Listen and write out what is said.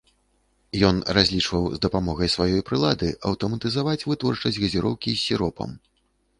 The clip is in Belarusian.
Ён разлічваў з дапамогай сваёй прылады аўтаматызаваць вытворчасць газіроўкі з сіропам.